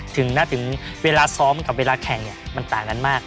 ถึงเวลาซ้อมกับเวลาแข่งเนี่ยมันต่างกันมาก